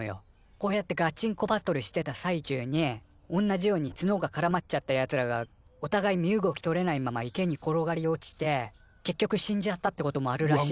こうやってガチンコバトルしてた最中におんなじようにツノがからまっちゃったやつらがおたがい身動きとれないまま池に転がり落ちて結局死んじゃったってこともあるらしいのよ。